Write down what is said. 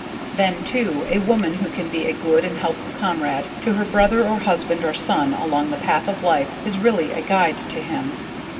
_ _Then too, a woman who can be a good and helpful comrade to her brother or husband or son along the path of life is really a guide to him.